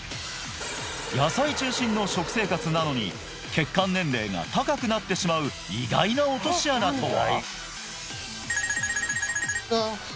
野菜中心の食生活なのに血管年齢が高くなってしまう意外な落とし穴とは？